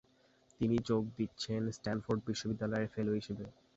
তিনি যোগ দিচ্ছেন স্ট্যানফোর্ড বিশ্ববিদ্যালয়ের ফেলো হিসেবে।